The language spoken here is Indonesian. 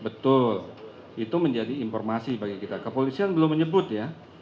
betul itu menjadi informasi bagi kita kepolisian belum menyebut ya